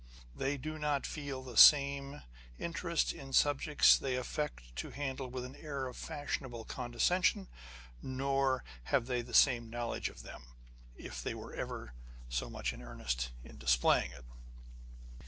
They do not feel the same interest in the subjects they affect to handle with an air of fashionable condescension, nor .have they the same knowledge of them, if they were ever so much in earnest in displaying it.